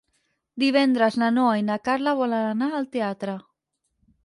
Divendres na Noa i na Carla volen anar al teatre.